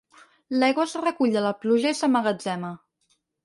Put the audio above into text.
L'aigua es recull de la pluja i s'emmagatzema.